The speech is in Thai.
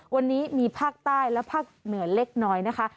วันนี้มีภาคใต้และภาคเหนือเล็กน้อยนะคะ